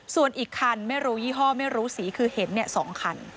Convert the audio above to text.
ส่วนอีกคันไม่รู้ยี่ห้อไม่รู้สีคือเห็น๒คัน